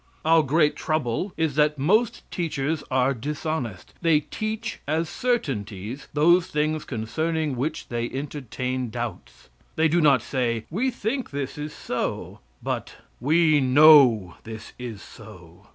Our great trouble is that most teachers are dishonest. They teach as certainties those things concerning which they entertain doubts. They do not say, "We think this is so." but "We know this is so."